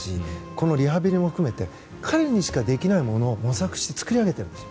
このリハビリも含めて彼にしかできないものを模索して作り上げているんです。